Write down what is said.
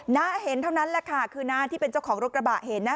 น้าเห็นเท่านั้นแหละค่ะคือน้าที่เป็นเจ้าของรถกระบะเห็นนะ